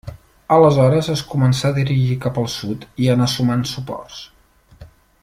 Aleshores es començà a dirigir cap al sud i anà sumant suports.